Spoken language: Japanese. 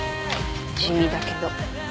地味だけど。